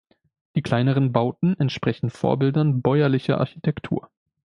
Die kleineren Bauten entsprechen Vorbildern bäuerlicher Architektur.